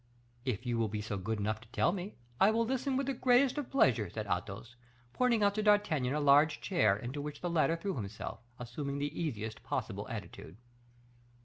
"If you will be good enough to tell me, I will listen with the greatest of pleasure," said Athos, pointing out to D'Artagnan a large chair, into which the latter threw himself, assuming the easiest possible attitude.